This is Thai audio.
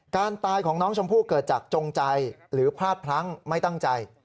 การตายของน้องชมพู่เกิดจากจงใจหรือพลาดพลั้งไม่ตั้งใจ